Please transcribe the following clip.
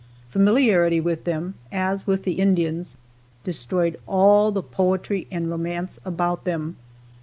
Familiarity with them, as with the Indians, destroyed all the poetry and romance about them.